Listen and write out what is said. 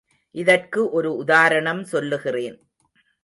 இதற்கு ஒரு உதாரணம் சொல்லுகிறேன்.